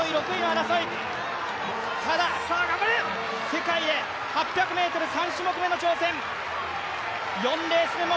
世界へ８００ｍ、３種目めへの挑戦。